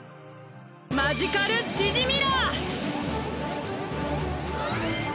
マジカルシジミラー！